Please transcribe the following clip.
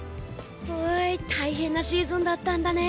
大変なシーズンだったんだね。